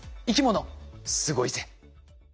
「生きものすごいぜ」！